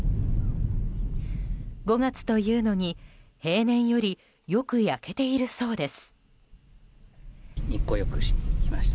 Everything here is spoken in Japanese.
５月というのに、平年よりよく焼けているそうです。